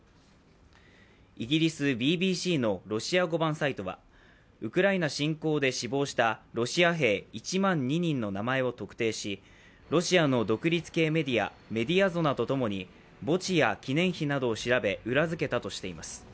イギリスＢＢＣのロシア語版サイトはウクライナ侵攻で死亡したロシア兵１万２人の名前を特定し、ロシアの独立系メディアメディアゾナとともに墓地や記念碑などを調べ裏づけたとしています。